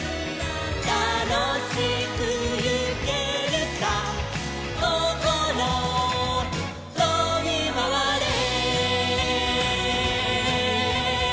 「たのしくいけるさ」「こころとびまわれ」